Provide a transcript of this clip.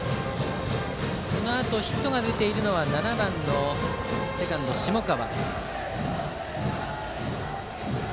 このあとヒットが出ているのは７番のセカンド、下川。